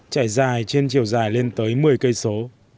tài trên chiều dài lên tới một mươi cây số